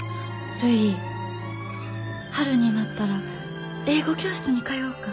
春になったら英語教室に通おうか。